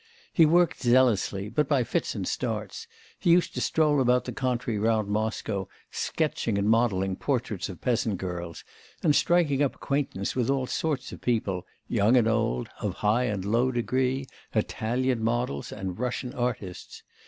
He worked zealously, but by fits and starts; he used to stroll about the country round Moscow sketching and modelling portraits of peasant girls, and striking up acquaintance with all sorts of people, young and old, of high and low degree, Italian models and Russian artists.